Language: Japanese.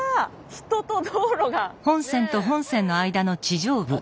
人と道路が！ねえ。